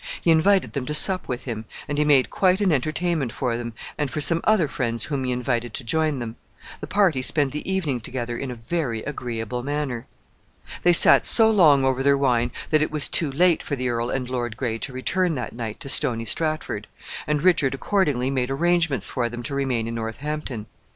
He invited them to sup with him, and he made quite an entertainment for them, and for some other friends whom he invited to join them. The party spent the evening together in a very agreeable manner. They sat so long over their wine that it was too late for the earl and Lord Gray to return that night to Stony Stratford, and Richard accordingly made arrangements for them to remain in Northampton.